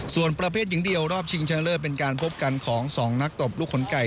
ส่วนประเภทหญิงเดียวรอบชิงชนะเลิศเป็นการพบกันของ๒นักตบลูกขนไก่